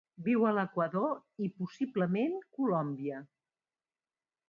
Viu a l'Equador i, possiblement, Colòmbia.